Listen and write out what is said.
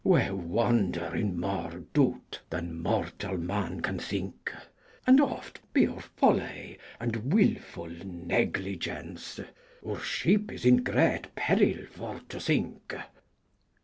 We wander in more dout than mortall man can thynke. And oft by our foly and wylfull neglygence Our shyp is in great peryll for to synke.